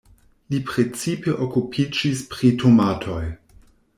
Li precipe okupiĝis pri tomatoj.